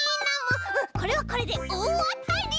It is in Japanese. うんこれはこれでおおあたり！